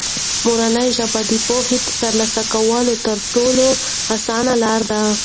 مورنۍ ژبه د پوهې د ترلاسه کولو تر ټولو اسانه لاره ده.